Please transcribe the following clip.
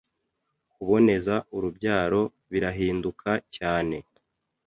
kuboneza urubyaro birahinduka cyane